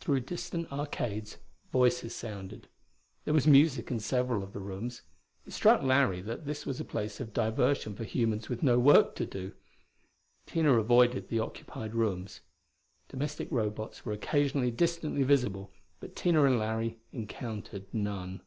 Through distant arcades, voices sounded; there was music in several of the rooms; it struck Larry that this was a place of diversion for humans with no work to do. Tina avoided the occupied rooms. Domestic Robots were occasionally distantly visible, but Tina and Larry encountered none.